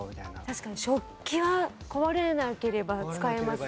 確かに食器は壊れなければ使いますよね。